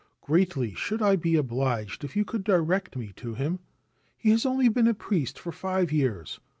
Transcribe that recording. Greatly should I be obliged if you could direct me to him. He has only been a priest for five years.